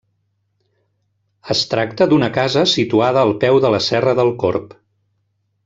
Es tracta d'una casa situada al peu de la serra del Corb.